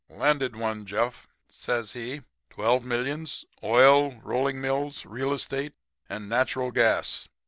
"'Landed one, Jeff,' says he. 'Twelve millions. Oil, rolling mills, real estate and natural gas.